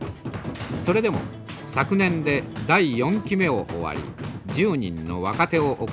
それでも昨年で第４期目を終わり１０人の若手を送り出しました。